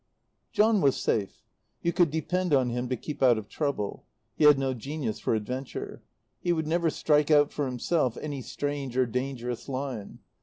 John was safe. You could depend on him to keep out of trouble. He had no genius for adventure. He would never strike out for himself any strange or dangerous line.